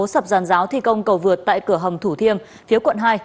sập giàn giáo thi công cầu vượt tại cửa hầm thủ thiêm phía quận hai